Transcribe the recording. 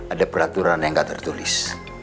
ada peraturan yang nggak tertulis